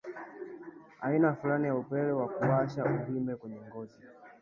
aina fulani za upele wa kuwasha uvimbe kwenye ngozi